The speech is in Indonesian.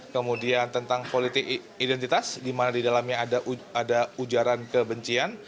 kemudian tentang politik identitas di mana di dalamnya ada ujaran kebencian